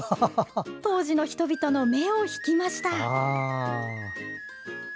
当時の人々の目を引きました。